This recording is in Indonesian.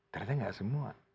ternyata enggak semua